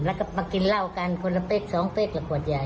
แล้วก็มากินเหล้ากันคนละเป๊กสองเป๊กละขวดใหญ่